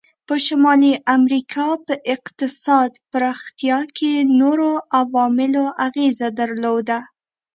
په شمالي امریکا په اقتصاد پراختیا کې نورو عواملو اغیزه درلوده.